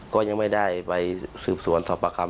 ก็ยังไม่ได้ไปสืบสวนสภกรรมนะครับ